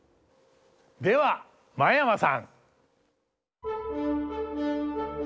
では真山さん！